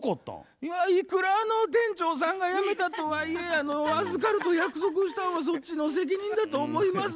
「いくらあの店長さんが辞めたとはいえ預かると約束したんはそっちの責任だと思います。